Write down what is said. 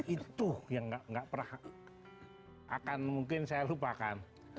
itu yang nggak pernah akan mungkin saya lupakan